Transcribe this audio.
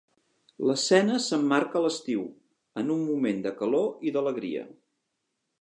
L’escena s’emmarca a l’estiu, en un moment de calor i d’alegria.